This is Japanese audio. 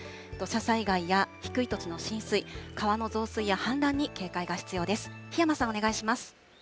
土砂災害や低い土地の浸水、川の増水や氾濫に警戒が必要です。